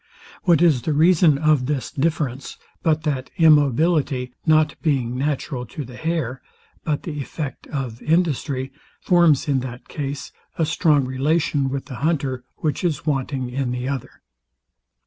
What is the reason of this difference, but that immobility, not being natural to the hare, but the effect of industry, forms in that case a strong relation with the hunter, which is wanting in the other?